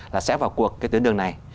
là sẽ vào cuộc cái tuyến đường này